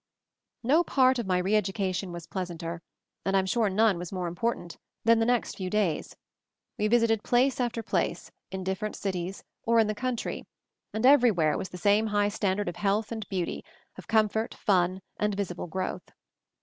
No part of my re education was pleas anter, and I'm sure none was more import ant, than the next few days. We visited place after place, in different cities, or in the country, and everywhere was the same high standard of health and beauty, of comfort, fun, and visible growth.